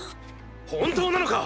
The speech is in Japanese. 本当なのか⁉いや。